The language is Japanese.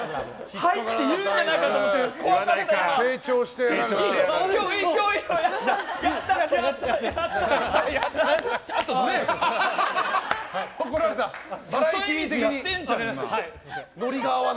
はいって言うんじゃないかと思って成長してるな。